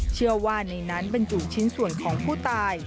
เชื่อว่าในนั้นเป็นอยู่ชิ้นส่วนของผู้ตาย